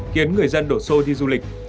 khiến người dân đổ xô đi du lịch